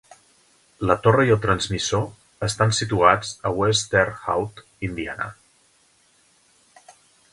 La torre i el transmissor estan situats a West Terre Haute, Indiana.